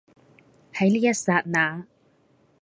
喺呢一剎那